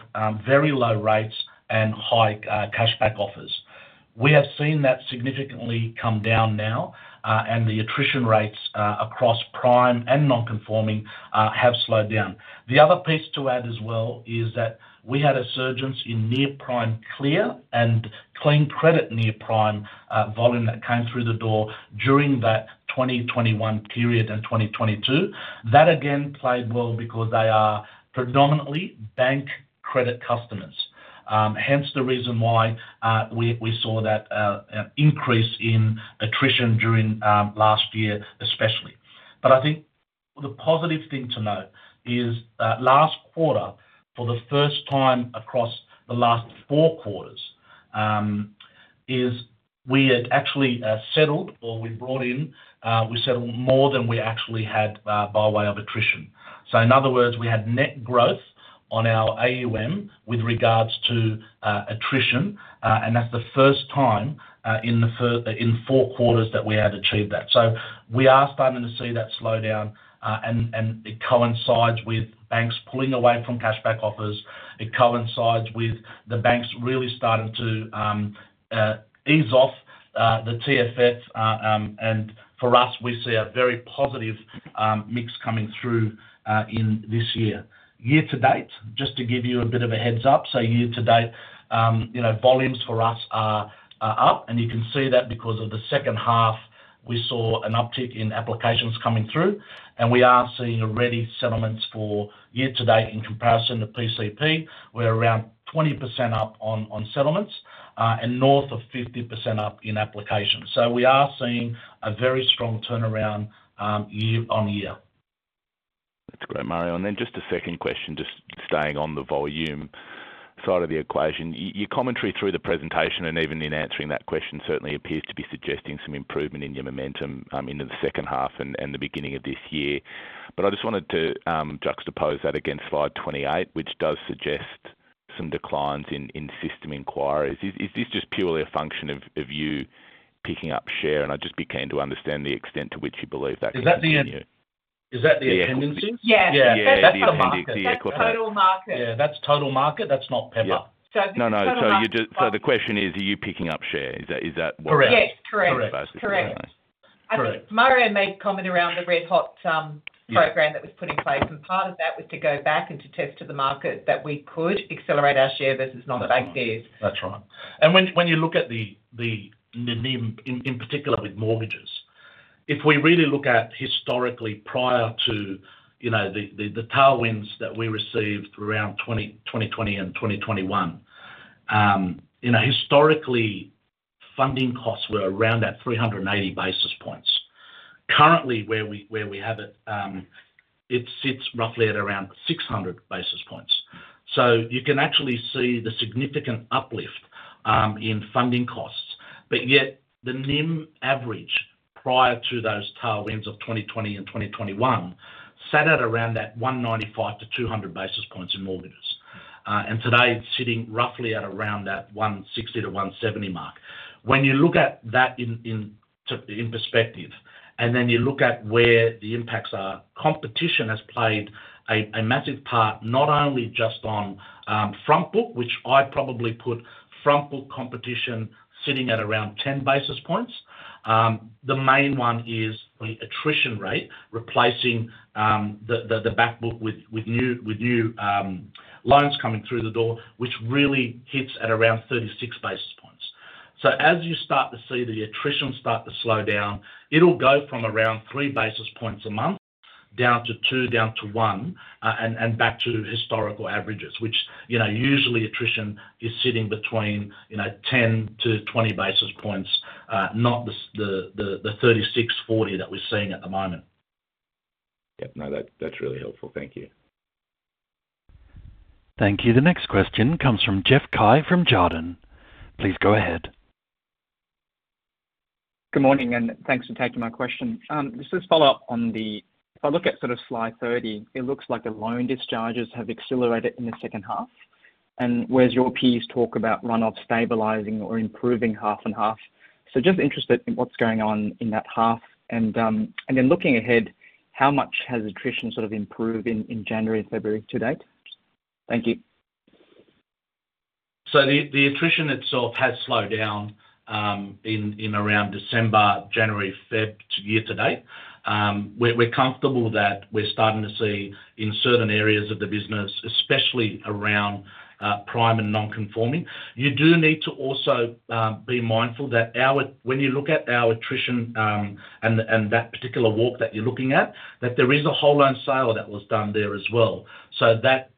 very low rates and high cashback offers. We have seen that significantly come down now, and the attrition rates across prime and non-conforming have slowed down. The other piece to add as well is that we had a surge in near prime clear and clean credit near prime volume that came through the door during that 2021 period and 2022. That again played well because they are predominantly bank credit customers. Hence the reason why we saw that increase in attrition during last year, especially. But I think the positive thing to note is last quarter, for the first time across the last four quarters, we had actually settled more than we actually had by way of attrition. So in other words, we had net growth on our AUM with regards to attrition, and that's the first time in four quarters that we had achieved that. So we are starting to see that slowdown, and it coincides with banks pulling away from cashback offers. It coincides with the banks really starting to ease off the TFF. For us, we see a very positive mix coming through in this year. Year to date, just to give you a bit of a heads up, so year to date, volumes for us are up, and you can see that because of the second half, we saw an uptick in applications coming through, and we are seeing already settlements for year to date in comparison to PCP. We're around 20% up on settlements and north of 50% up in applications. So we are seeing a very strong turnaround year-on-year. That's great, Mario. Then just a second question, just staying on the volume side of the equation. Your commentary through the presentation and even in answering that question certainly appears to be suggesting some improvement in your momentum into the second half and the beginning of this year. But I just wanted to juxtapose that against slide 28, which does suggest some declines in system inquiries. Is this just purely a function of you picking up share? And I'd just be keen to understand the extent to which you believe that could be from you. Is that the attendances? Yes. Yeah. Yeah. That's the market. The total market. Yeah. That's total market. That's not Pepper. So I think that's the question. No, no. So the question is, are you picking up share? Is that what? Correct. Yes. Correct. Correct. Correct. I think Mario made comment around the red-hot program that was put in place, and part of that was to go back and to test to the market that we could accelerate our share versus non-bank peers. That's right. When you look at the NIM, in particular with mortgages, if we really look at historically prior to the tailwinds that we received around 2020 and 2021, historically, funding costs were around at 380 basis points. Currently, where we have it, it sits roughly at around 600 basis points. So you can actually see the significant uplift in funding costs. But yet, the NIM average prior to those tailwinds of 2020 and 2021 sat at around that 195-200 basis points in mortgages. Today, it's sitting roughly at around that 160-170 mark. When you look at that in perspective and then you look at where the impacts are, competition has played a massive part not only just on front book, which I'd probably put front book competition sitting at around 10 basis points. The main one is the attrition rate replacing the back book with new loans coming through the door, which really hits at around 36 basis points. So as you start to see the attrition start to slow down, it'll go from around 3 basis points a month down to 2, down to 1, and back to historical averages, which usually attrition is sitting between 10-20 basis points, not the 36, 40 that we're seeing at the moment. Yep. No, that's really helpful. Thank you. Thank you. The next question comes from Jeff Cai from Jarden. Please go ahead. Good morning, and thanks for taking my question. This is a follow-up on the – if I look at sort of slide 30, it looks like the loan discharges have accelerated in the second half, and whereas your peers talk about run-off stabilising or improving half and half. So just interested in what's going on in that half, and then looking ahead, how much has attrition sort of improved in January, February to date? Thank you. So the attrition itself has slowed down in around December, January, February to year-to-date. We're comfortable that we're starting to see in certain areas of the business, especially around prime and non-conforming. You do need to also be mindful that when you look at our attrition and that particular walk that you're looking at, that there is a whole loan sale that was done there as well. So that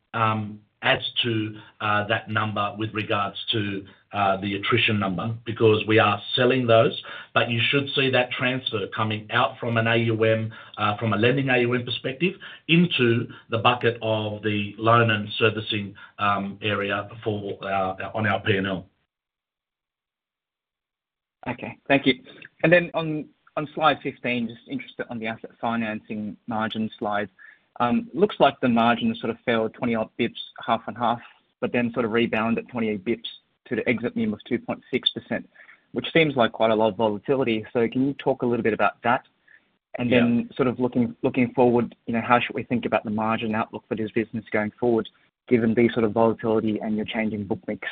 adds to that number with regards to the attrition number because we are selling those. But you should see that transfer coming out from a lending AUM perspective into the bucket of the loan and servicing area on our P&L. Okay. Thank you. And then on slide 15, just interested on the asset financing margin slide, looks like the margin has sort of fell 20-odd basis points half and half, but then sort of rebounded 28 basis points to the exit NIM of 2.6%, which seems like quite a lot of volatility. So can you talk a little bit about that? And then sort of looking forward, how should we think about the margin outlook for this business going forward given the sort of volatility and your changing book mix?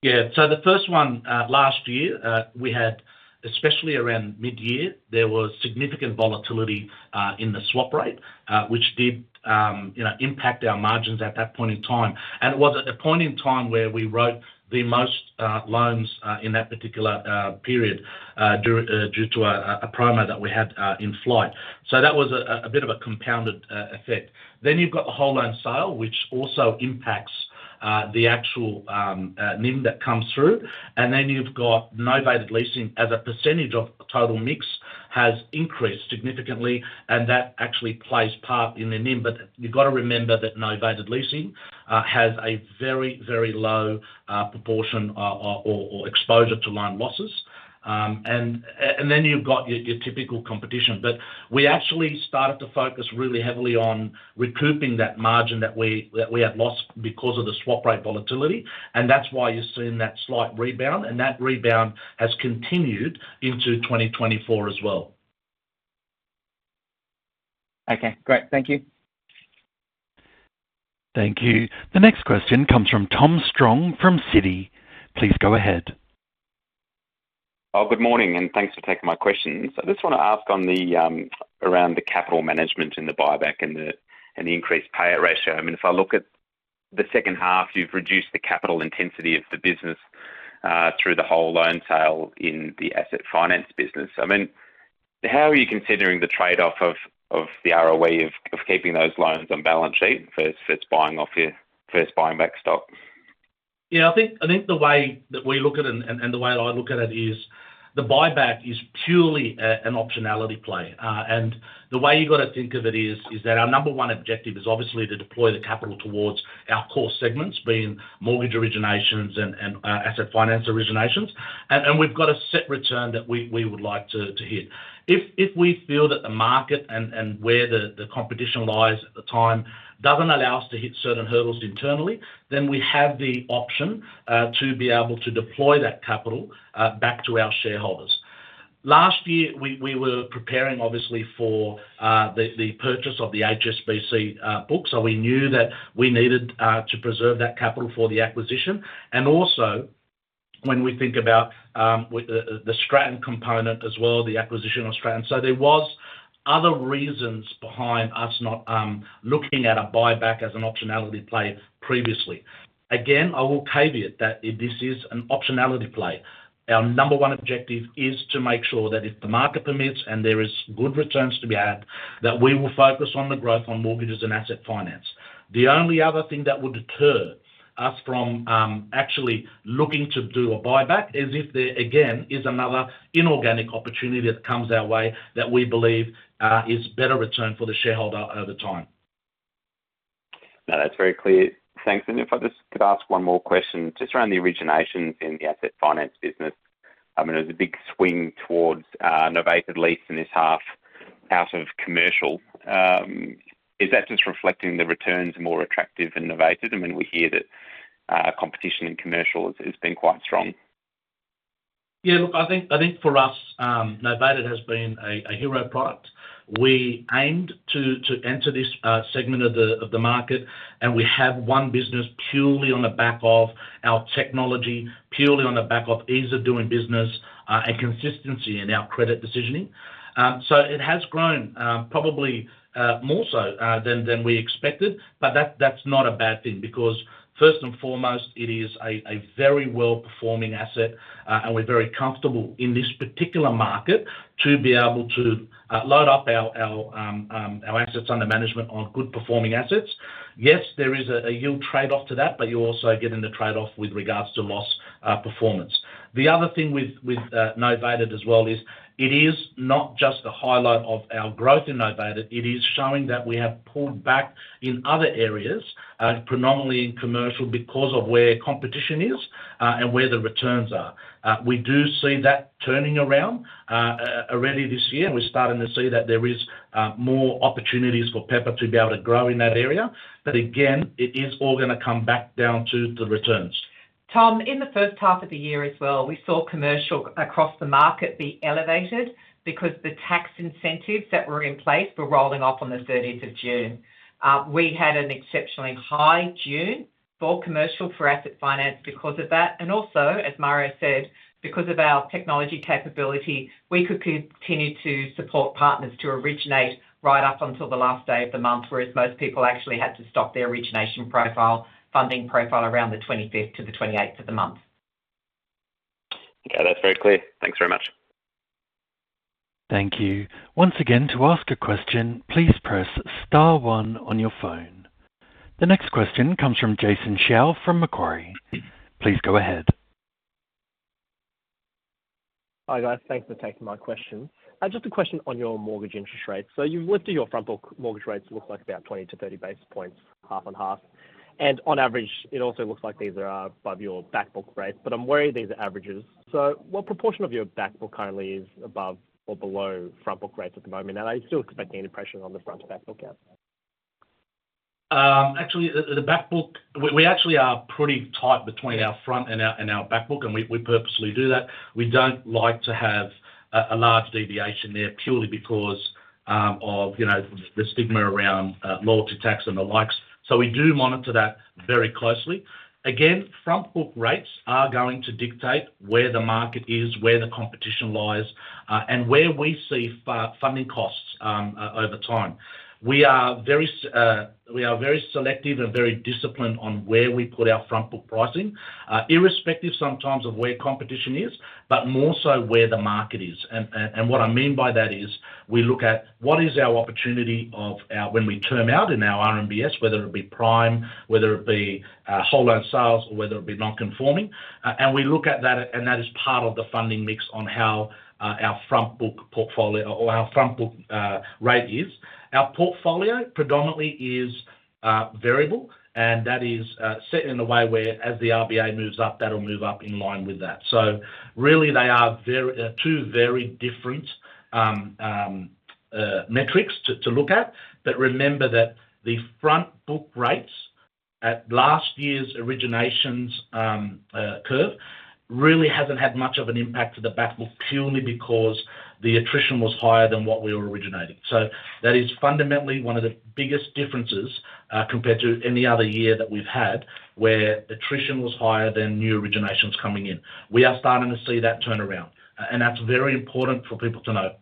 Yeah. So the first one, last year, we had especially around mid-year, there was significant volatility in the swap rate, which did impact our margins at that point in time. And it was at a point in time where we wrote the most loans in that particular period due to a program that we had in flight. So that was a bit of a compounded effect. Then you've got the whole loan sale, which also impacts the actual NIM that comes through. And then you've got novated leasing as a percentage of total mix has increased significantly, and that actually plays part in the NIM. But you've got to remember that novated leasing has a very, very low proportion or exposure to loan losses. And then you've got your typical competition. But we actually started to focus really heavily on recouping that margin that we had lost because of the swap rate volatility, and that's why you're seeing that slight rebound. And that rebound has continued into 2024 as well. Okay. Great. Thank you. Thank you. The next question comes from Tom Strong from Citi. Please go ahead. Oh, good morning, and thanks for taking my questions. I just want to ask around the capital management and the buyback and the increased payout ratio. I mean, if I look at the second half, you've reduced the capital intensity of the business through the whole loan sale in the asset finance business. I mean, how are you considering the trade-off of the ROE of keeping those loans on balance sheet versus first buying off your first buying back stock? Yeah. I think the way that we look at it and the way that I look at it is the buyback is purely an optionality play. And the way you've got to think of it is that our number one objective is obviously to deploy the capital towards our core segments, being mortgage originations and asset finance originations. And we've got a set return that we would like to hit. If we feel that the market and where the competition lies at the time doesn't allow us to hit certain hurdles internally, then we have the option to be able to deploy that capital back to our shareholders. Last year, we were preparing, obviously, for the purchase of the HSBC book. So we knew that we needed to preserve that capital for the acquisition. And also, when we think about the Stratton component as well, the acquisition of Stratton, so there was other reasons behind us not looking at a buyback as an optionality play previously. Again, I will caveat that this is an optionality play. Our number one objective is to make sure that if the market permits and there are good returns to be had, that we will focus on the growth on mortgages and asset finance. The only other thing that would deter us from actually looking to do a buyback is if there, again, is another inorganic opportunity that comes our way that we believe is better return for the shareholder over time. No, that's very clear. Thanks. And if I just could ask one more question just around the originations in the asset finance business. I mean, there's a big swing towards novated lease in this half out of commercial. Is that just reflecting the returns more attractive in novated? I mean, we hear that competition in commercial has been quite strong. Yeah. Look, I think for us, novated has been a hero product. We aimed to enter this segment of the market, and we have one business purely on the back of our technology, purely on the back of ease of doing business, and consistency in our credit decisioning. So it has grown probably more so than we expected, but that's not a bad thing because, first and foremost, it is a very well-performing asset, and we're very comfortable in this particular market to be able to load up our assets under management on good-performing assets. Yes, there is a yield trade-off to that, but you also get in the trade-off with regards to loss performance. The other thing with novated as well is it is not just the highlight of our growth in novated. It is showing that we have pulled back in other areas, predominantly in commercial, because of where competition is and where the returns are. We do see that turning around already this year. We're starting to see that there are more opportunities for Pepper to be able to grow in that area. But again, it is all going to come back down to the returns. Tom, in the first half of the year as well, we saw commercial across the market be elevated because the tax incentives that were in place were rolling off on the June 30th. We had an exceptionally high June for commercial, for asset finance, because of that. And also, as Mario said, because of our technology capability, we could continue to support partners to originate right up until the last day of the month, whereas most people actually had to stop their origination funding profile around the 25th-28th of the month. Okay. That's very clear. Thanks very much. Thank you. Once again, to ask a question, please press star one on your phone. The next question comes from Jason Shao from Macquarie. Please go ahead. Hi guys. Thanks for taking my questions. Just a question on your mortgage interest rates. So you've listed your front book mortgage rates look like about 20-30 basis points half and half. And on average, it also looks like these are above your back book rates. But I'm worried these are averages. So what proportion of your back book currently is above or below front book rates at the moment? And are you still expecting any pressure on the front to back book yet? Actually, the back book, we actually are pretty tight between our front and our back book, and we purposely do that. We don't like to have a large deviation there purely because of the stigma around loyalty tax and the likes. So we do monitor that very closely. Again, front book rates are going to dictate where the market is, where the competition lies, and where we see funding costs over time. We are very selective and very disciplined on where we put our front book pricing, irrespective sometimes of where competition is, but more so where the market is. What I mean by that is we look at what is our opportunity when we term out in our RMBS, whether it be prime, whether it be whole loan sales, or whether it be non-conforming. We look at that, and that is part of the funding mix on how our front book portfolio or our front book rate is. Our portfolio predominantly is variable, and that is set in a way where, as the RBA moves up, that'll move up in line with that. So really, they are two very different metrics to look at. But remember that the front book rates at last year's originations curve really hasn't had much of an impact to the back book purely because the attrition was higher than what we were originating. So that is fundamentally one of the biggest differences compared to any other year that we've had where attrition was higher than new originations coming in. We are starting to see that turn around, and that's very important for people to know.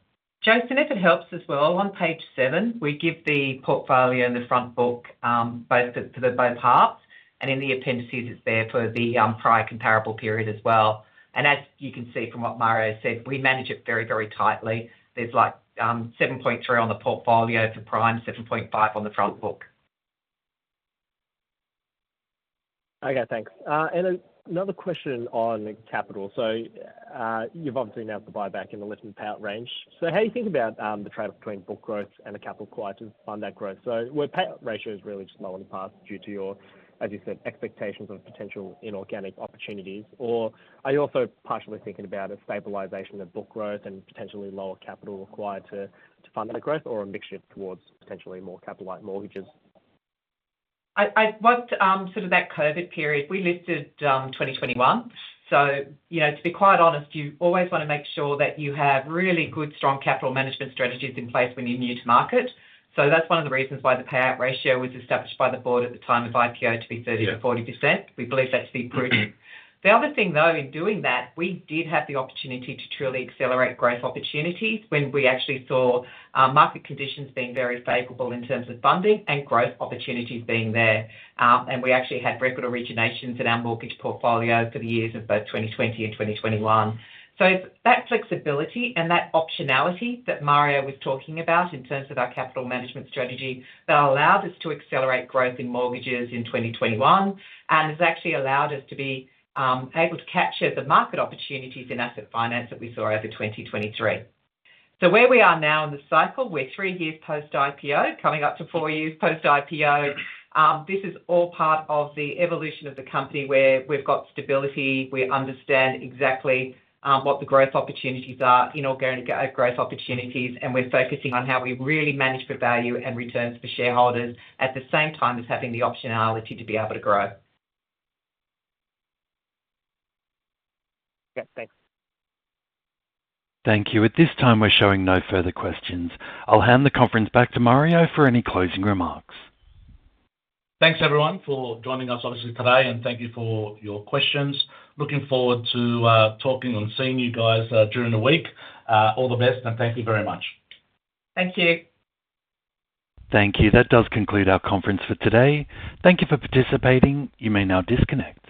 Jason, if it helps as well, on page seven, we give the portfolio and the front book both for the both halves. And in the appendices, it's there for the prior comparable period as well. And as you can see from what Mario said, we manage it very, very tightly. There's 7.3 on the portfolio for prime, 7.5 on the front book. Okay. Thanks. And another question on capital. So you've obviously announced the buyback in the lift and payout range. So how do you think about the trade-off between book growth and the capital acquired to fund that growth? So were payout ratios really just low in the past due to your, as you said, expectations of potential inorganic opportunities? Or are you also partially thinking about a stabilisation of book growth and potentially lower capital required to fund that growth, or a mixture towards potentially more capital-light mortgages? I've worked through that COVID period. We listed 2021. So to be quite honest, you always want to make sure that you have really good, strong capital management strategies in place when you're new to market. So that's one of the reasons why the payout ratio was established by the board at the time of IPO to be 30%-40%. We believe that to be prudent. The other thing, though, in doing that, we did have the opportunity to truly accelerate growth opportunities when we actually saw market conditions being very favorable in terms of funding and growth opportunities being there. We actually had record originations in our mortgage portfolio for the years of both 2020 and 2021. It's that flexibility and that optionality that Mario was talking about in terms of our capital management strategy that allowed us to accelerate growth in mortgages in 2021 and has actually allowed us to be able to capture the market opportunities in asset finance that we saw over 2023. Where we are now in the cycle, we're three years post-IPO, coming up to four years post-IPO. This is all part of the evolution of the company where we've got stability. We understand exactly what the growth opportunities are, inorganic growth opportunities. We're focusing on how we really manage for value and returns for shareholders at the same time as having the optionality to be able to grow. Okay. Thanks. Thank you. At this time, we're showing no further questions. I'll hand the conference back to Mario for any closing remarks. Thanks, everyone, for joining us, obviously, today. And thank you for your questions. Looking forward to talking and seeing you guys during the week. All the best, and thank you very much. Thank you. Thank you. That does conclude our conference for today. Thank you for participating. You may now disconnect.